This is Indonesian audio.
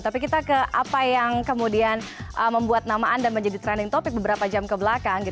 tapi kita ke apa yang kemudian membuat nama anda menjadi trending topic beberapa jam kebelakang